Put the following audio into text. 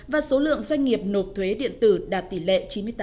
và số lượng doanh nghiệp nộp thuế điện tử đạt tỷ lệ chín mươi tám bảy mươi một